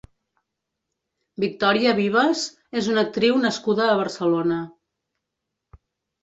Victoria Vivas és una actriu nascuda a Barcelona.